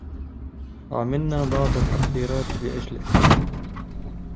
عملنا بعض التحضيرات لأجلك.